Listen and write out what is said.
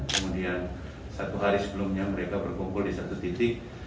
kemudian satu hari sebelumnya mereka berkumpul di satu titik